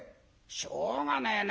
「しょうがねえな